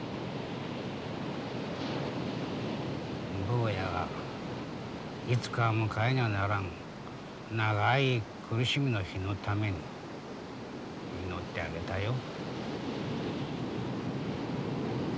坊やがいつかは迎えにゃならん長い苦しみの日のために祈ってあげたよ。